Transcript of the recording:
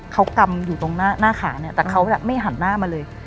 เขากำอยู่ตรงหน้าขาเนี่ยแต่เขาไม่หันหน้ามาเลย